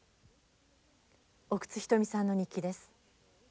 奥津牟さんの日記です。